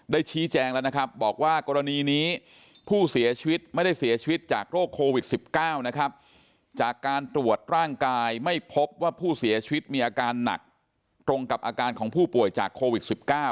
ชี้แจงแล้วนะครับบอกว่ากรณีนี้ผู้เสียชีวิตไม่ได้เสียชีวิตจากโรคโควิด๑๙นะครับจากการตรวจร่างกายไม่พบว่าผู้เสียชีวิตมีอาการหนักตรงกับอาการของผู้ป่วยจากโควิด๑๙